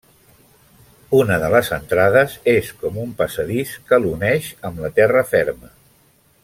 Una de les entrades és com un passadís que l'uneix amb la terra ferma.